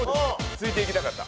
ついていきたかった。